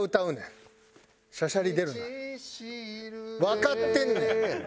わかってんねん。